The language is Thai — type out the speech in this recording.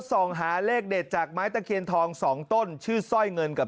ส่องหาเลขเด็ดจากไม้ตะเคียนทองสองต้นชื่อสร้อยเงินกับ